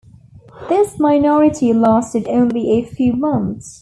This minority lasted only a few months.